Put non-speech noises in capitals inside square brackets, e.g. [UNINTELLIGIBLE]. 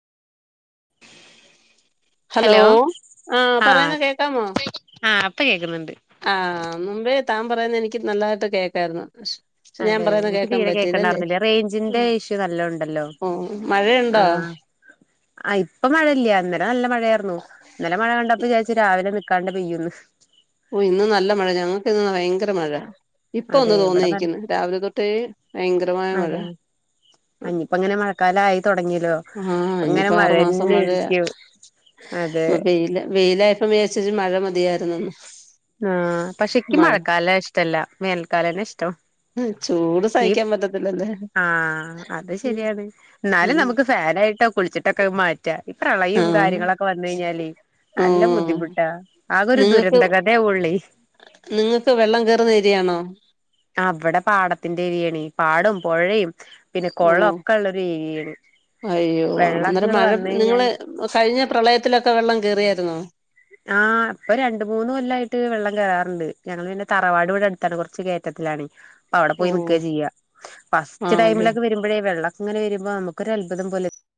Hello ആ പറയുന്ന കേക്കാമോ പ്പെ കേക്കുന്നുണ്ട് ആ മുമ്പേ താൻ പറയുന്ന എനിക്ക് നല്ലതായിട്ട് കേക്കായിരുന്നു പക്ഷെ പക്ഷെ ഞാൻ അതെ പറയുന്ന എനിക്ക് കേക്കാൻ തീരെ പറ്റിയില്ലല്ലേ കേക്കണ്ടായിരുന്നില്ലേ റേഞ്ചിന്റെ ഉം. ഇഷ്യൂ നല്ല ഉണ്ടല്ലോ ഓ ആ മഴയുണ്ടോ ആ ഇപ്പ മഴയില്ല അന്നലെ നല്ല മഴയായിരുന്നുു ഇന്നലെ മഴ കണ്ടപ്പോ വിചാരിച്ചു രാവിലെ നക്കാണ്ട് പെയ്യൊന്ന് ഓ ഇന്ന് നല്ല മഴ ഞങ്ങക്ക് ഇന്ന് ഭയങ്കര മഴ ഇപ്പൊ ഒന്ന് അതെ ഇവിടെ നല്ല തോന്നിരിക്കുന്നു രാവിലെ തൊട്ടേ ഭയങ്കരമായ മഴ അതെ ഇനിയിപ്പ ഇങ്ങനെ മഴക്കാലം ആയി തുടങ്ങിയല്ലോ ആ ഇങ്ങനെ ഇനിയിപ്പോ ആറു മാസം മഴന്നെ മഴ ആയിരിക്കും അതെ വെയില വെയിലായപ്പ [UNINTELLIGIBLE] ശരി മഴ മതിയായിരുന്നുന്ന് ആ പശുിക്കി മഴ മഴക്കാല ഇഷ്ട എല്ലാ മേൽക്കാലനെ ഇഷ്ടം ചൂട് ഈ സഹിക്കാൻ പറ്റത്തില്ലല്ലേ ആ അത് ശരിയാണ് എന്നാലും ഉം നമുക്ക് ഫാനായിട്ടാ കുളിച്ചിട്ടൊക്കെ മാറ്റാ പ്രളയം ആഹ് കാര്യങ്ങളൊക്കെ വന്ന കഴിഞ്ഞാല് ഓ നല്ല ബുദ്ധിമുട്ടാ ആകൊ ഒരു ദുരന്ത [UNINTELLIGIBLE] [UNINTELLIGIBLE] ള്ളി നിങ്ങക്ക് വെള്ളം കേറുന്ന രിയാണോ അവിടെ [UNINTELLIGIBLE] പാടും പുഴയും പിന്നെ ഓ കുളം ഒക്കെ ഉള്ള ഒരു ഏരിയാണ് അയ്യോ ആണ വെള്ളൊക്കെ അന്നേരം ഇങ്ങട് മഴ വന്ന് നിങ്ങള് കഴിഞ്ഞാല് കഴിഞ്ഞ പ്രളയത്തിലൊക്കെ വെള്ളം കയറിയായിരുന്നോ ആ ഇപ്പൊ രണ്ട മൂന്ന് കൊല്ലംായിട്ട് വെള്ളം കയററുണ്ട് ഞങ്ങ പിന്നെ തറവാട് ഇവിടെ അടുത്താണ് കുറച്ച് കയറ്റത്തിലാണ് അവിടെ ഓ പോയി നൽക്ക ചെയ്യ ഫസ്റ്റ് ആണല്ലേ ടൈമിലൊക്കെ വരുമ്പോഴേ വെള്ള അങ്ങനെ വരുമ്പോ നമുക്ക ഒരു അത്ഭുതം പോലെ